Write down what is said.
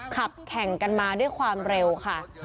ขับแข่งกันมาด้วยความเร็วค่ะ